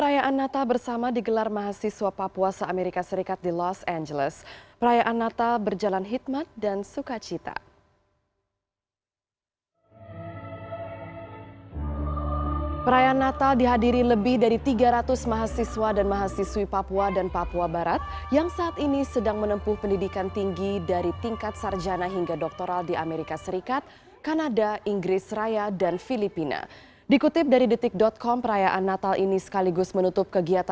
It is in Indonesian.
yang bergerak di bidang pengembangan komunitas dari keberadaban budaya dan agama